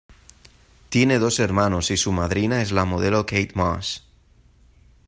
Tiene dos hermanos y su madrina es la modelo Kate Moss.